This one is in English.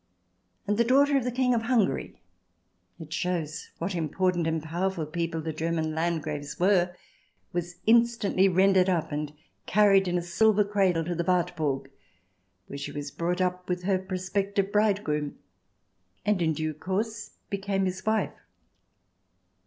And the daughter of the King of Hungary — it shows what important and powerful people the German Landgraves were — was instantly rendered up, and carried in a silver cradle to the Wartburg, where she was brought up with her prospective bridegroom, and in due course became his wife.